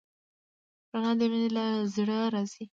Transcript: رڼا د مینې له زړه راځي.